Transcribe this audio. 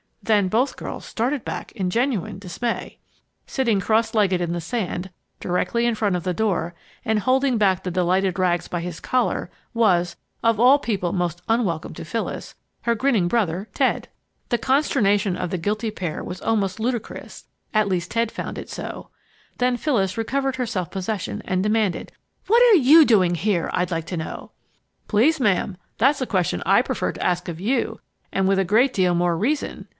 Then both girls started back in genuine dismay! Sitting cross legged in the sand, directly in front of the door and holding back the delighted Rags by his collar, was of all people most unwelcome to Phyllis her grinning brother Ted! The consternation of the guilty pair was almost ludicrous, at least Ted found it so. Then Phyllis recovered her self possession and demanded: "What are you doing here, I'd like to know?" "Please, ma'am, that's a question I prefer to ask of you and with a great deal more reason!"